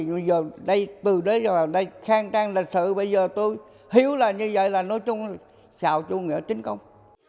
từ đấy vào đây khang trang lịch sử bây giờ tôi hiểu là như vậy là nói chung là xào chủ nghĩa chính công